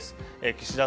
岸田